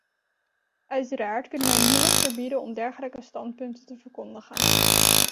Uiteraard kunnen wij niemand verbieden om dergelijke standpunten te verkondigen.